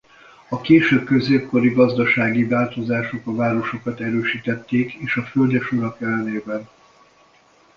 A késő középkori gazdasági változások a városokat erősítették és a földesurak ellenében.